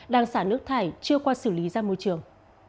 đang xả nước thải chưa qua xử lý ra môi trường